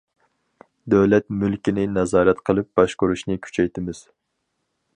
دۆلەت مۈلكىنى نازارەت قىلىپ باشقۇرۇشنى كۈچەيتىمىز.